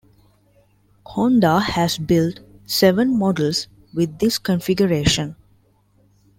Honda has built seven models with this configuration.